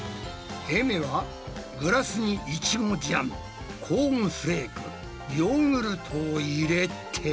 えめはグラスにイチゴジャムコーンフレークヨーグルトを入れて。